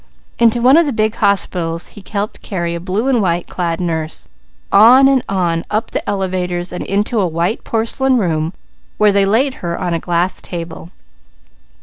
Into one of the big hospitals he helped carry a blue and white clad nurse, on and on, up elevators and into a white porcelain room where they laid her on a glass table.